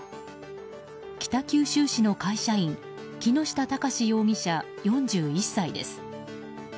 北九州市の会社員木下崇容疑者、４１歳です。